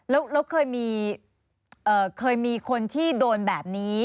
แล้วเคยมีคนที่โดนแบบนี้